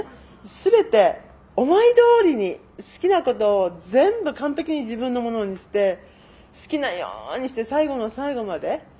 全て思いどおりに好きなことを全部完璧に自分のものにして好きなようにして最後の最後まで。